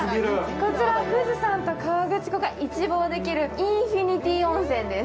こちら、富士山と河口湖が一望できるインフィニティ温泉です。